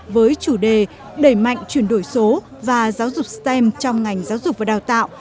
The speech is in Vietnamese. với chủ đề đẩy mạnh chuyển đổi số và giáo dục stem trong ngành giáo dục và đào tạo